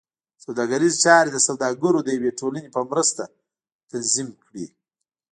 سوداګریزې چارې د سوداګرو د یوې ټولنې په مرسته تنظیم کړې.